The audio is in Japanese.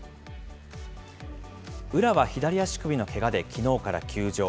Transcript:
宇良は左足首のけができのうから休場。